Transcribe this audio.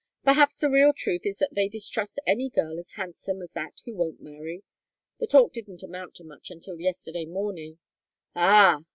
Perhaps the real truth is that they distrust any girl as handsome as that who won't marry. The talk didn't amount to much until yesterday morning " "Ah!"